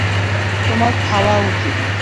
তোমার খাওয়া উচিত।